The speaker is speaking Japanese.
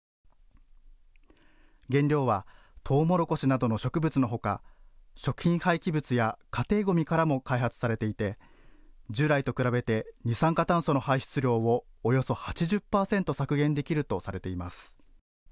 原料はトウモロコシなどの植物のほか、食品廃棄物や家庭ごみからも開発されていて従来と比べて二酸化炭素の排出量をおよそ８０％削減できるとされています。